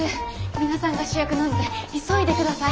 皆さんが主役なので急いで下さい。